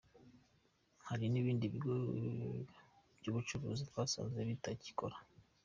Hari n’ibindi bigo by’ubucuruzi twasanze bitagikora.